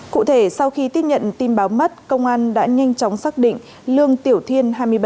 cụ thể sau khi tiếp nhận tin báo mất công an đã nhanh chóng xác định lương tiểu thiên hai mươi bảy